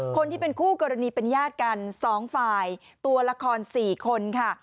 คนที่เป็นคู่กรณีเป็นญาติกัน๒ฝ่ายตัวละคร๔คนค่ะ